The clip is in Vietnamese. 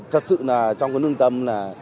thật sự là trong cái lương tâm là